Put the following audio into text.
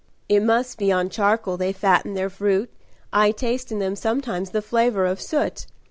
"It must be on charcoal they fatten their fruit. I taste in them sometimes the flavour of soot.